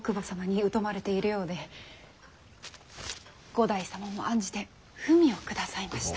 五代様も案じて文を下さいました。